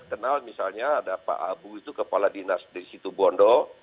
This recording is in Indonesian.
kenal misalnya ada pak abu itu kepala dinas di situ bondo